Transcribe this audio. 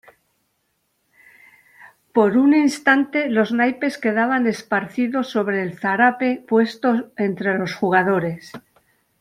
por un instante los naipes quedaban esparcidos sobre el zarape puesto entre los jugadores.